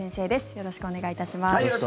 よろしくお願いします。